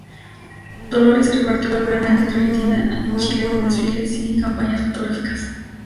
Dolores se repartió laboralmente entre Argentina y Chile, con desfiles y campañas fotográficas.